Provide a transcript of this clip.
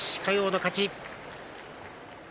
嘉陽の勝ち。